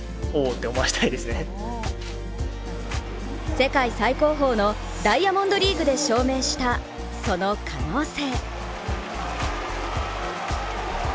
世界最高峰のダイヤモンドリーグで証明したその可能性。